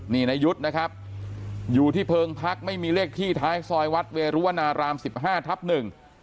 นี่นายุทธ์นะครับอยู่ที่เพิงพักไม่มีเลขที่ท้ายซอยวัดเวรุวนารามสิบห้าทับหนึ่ง